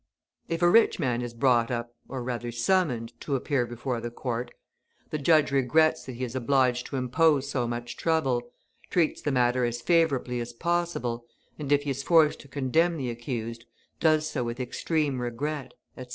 If a rich man is brought up, or rather summoned, to appear before the court, the judge regrets that he is obliged to impose so much trouble, treats the matter as favourably as possible, and, if he is forced to condemn the accused, does so with extreme regret, etc.